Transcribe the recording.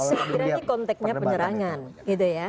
sekiranya konteknya penyerangan gitu ya